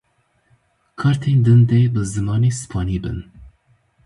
Kartên din dê bi zimanê spanî bin.